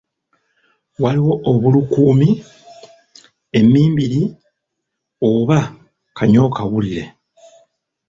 Waliwo obulukumi, emmimbiri oba kanyokawulire.